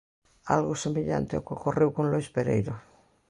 Algo semellante ao que ocorreu con Lois Pereiro.